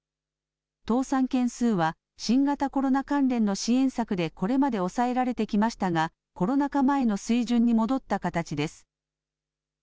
倒産件数は、新型コロナ関連の支援策でこれまで抑えられてきましたが、コロナ禍前の水準に戻った形です。